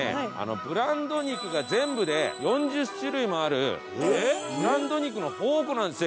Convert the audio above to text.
ブランド肉が全部で４０種類もあるブランド肉の宝庫なんですよ